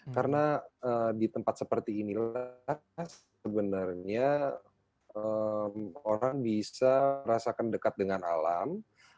karena di tempat seperti inilah sebenarnya orang bisa merasakan dekat dengan alam